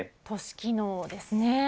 都市機能ですね。